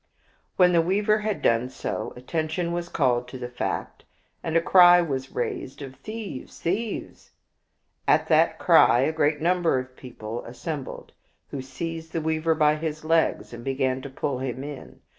When the weaver had done so, attention was called to the fact, and a cry was raised of " Thieves ! thieves I " At that cry a great number of people assembled, who seized the weaver by his legs and began to pull him in.